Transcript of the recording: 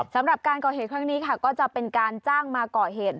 สำหรับการก่อเหตุครั้งนี้ค่ะก็จะเป็นการจ้างมาก่อเหตุ